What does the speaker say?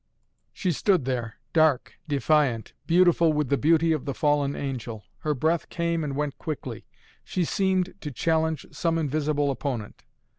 She stood there, dark, defiant, beautiful with the beauty of the fallen angel. Her breath came and went quickly. She seemed to challenge some invisible opponent.